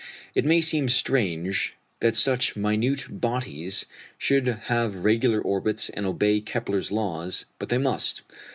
It may seem strange that such minute bodies should have regular orbits and obey Kepler's laws, but they must.